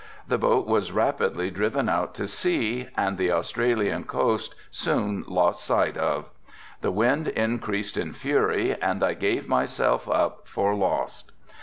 The boat was rapidly driven out to sea and the Australian coast soon lost sight of. The wind increased in fury and I gave myself up for lost.